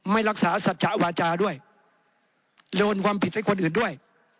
ไม่รักษาสัจจะวาจาด้วยโดนความผิดให้คนอื่นด้วย